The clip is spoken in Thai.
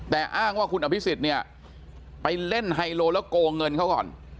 แต่อ้างว่าคุณอภิษฎเนี่ยไปเล่นไฮโลแล้วโกงเงินเขาก่อน